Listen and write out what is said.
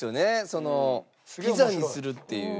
そのピザにするっていう。